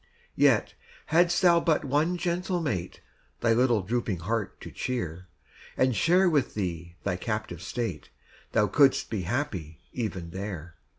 Yet, hadst thou but one gentle mate Thy little drooping heart to cheer, And share with thee thy captive state, Thou couldst be happy even there.